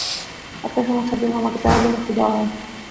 একটা সমস্যার জন্য আমাকে প্যারোলে মুক্তি দেওয়া হয়।